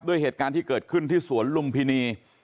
เหตุการณ์ที่เกิดขึ้นที่สวนลุมพินี